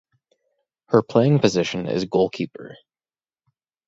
Her playing position is goalkeeper.